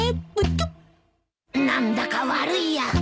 何だか悪いや。